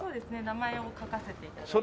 名前を書かせて頂いて。